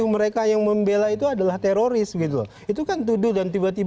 harus betul betul hati hati